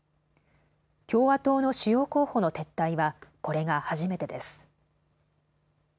共和党の主要候補の撤退はこれが初めてです。